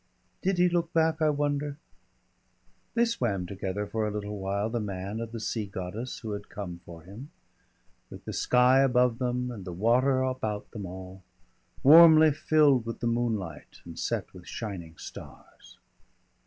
Did he look back, I wonder? They swam together for a little while, the man and the sea goddess who had come for him, with the sky above them and the water about them all, warmly filled with the moonlight and set with shining stars.